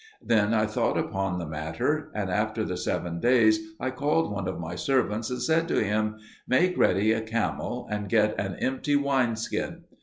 Then I thought upon the matter; and after the seven days I called one of my servants and said to him, "Make ready a camel, and get an empty wine skin."